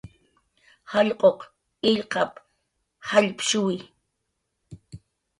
"jallq'uq illqap"" jallpshuwi."